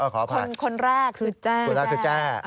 คนแรกคือแจ้